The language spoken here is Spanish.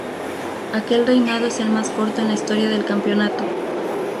Aquel reinado es el más corto en la historia del campeonato.